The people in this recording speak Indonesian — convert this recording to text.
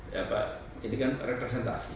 ya pak ini kan representasi